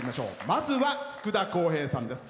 まずは、福田こうへいさんです。